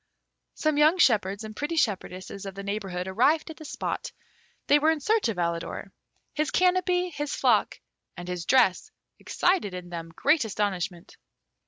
Some young shepherds and pretty shepherdesses of the neighbourhood arrived at the spot. They were in search of Alidor. His canopy, his flock, and his dress excited in them great astonishment.